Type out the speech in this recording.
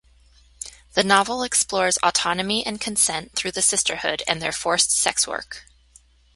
The novel explores autonomy and consent through the Sisterhood and their forced sex work.